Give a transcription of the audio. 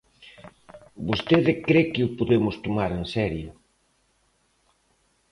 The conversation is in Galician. Vostede cre que o podemos tomar en serio.